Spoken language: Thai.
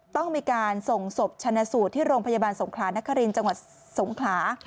ต้องมีการส่งศพชนะสูตรที่โรงพยาบาลสงขลานครินทร์จังหวัดสงขลา